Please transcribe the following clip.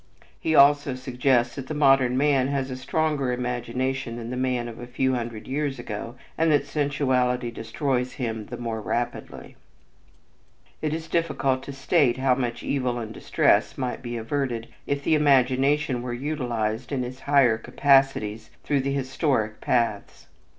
He also suggests that the modern man has a stronger imagination than the man of a few hundred years ago and that sensuality destroys him the more rapidly. It is difficult to state how much evil and distress might be averted if the imagination were utilized in its higher capacities through the historic paths.